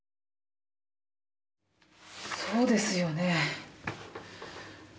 そうですよね。